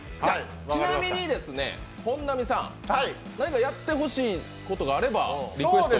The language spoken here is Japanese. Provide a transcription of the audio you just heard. ちなみに本並さん、何かやってほしいことがあればリクエストを。